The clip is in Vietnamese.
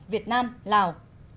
việt nam lào